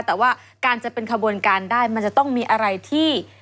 แต่ว่าการจะเป็นขบวนการได้มันจะต้องมีอะไรที่